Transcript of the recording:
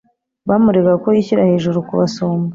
Bamuregaga ko yishyira hejuru kubasumba,